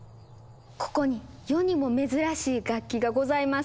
ここに世にも珍しい楽器がございます。